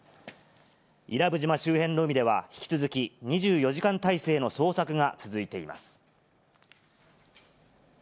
伊良部島周辺の海では、引き続き２４時間態勢の捜索が続いています。